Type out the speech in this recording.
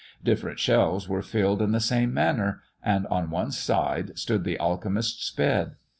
Different shelves were filled in the same manner; and on one side stood the Alchemist's bed.